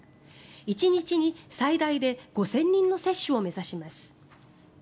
１日に最大で５０００人の接種を目指します。